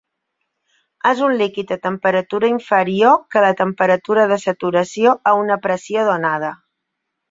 És un líquid a temperatura inferior que la temperatura de saturació a una pressió donada.